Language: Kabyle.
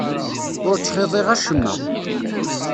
Ur ttxiḍiɣ acemma.